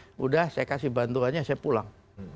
sudah saya kasih bantuannya saya pulang